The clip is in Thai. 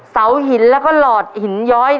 เสาหินแล้วก็หลอดหินย้อย